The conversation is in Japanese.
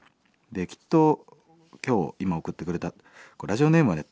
きっと今日今送ってくれたラジオネームはね